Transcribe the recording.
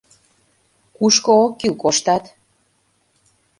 Кушко ок кӱл — коштат...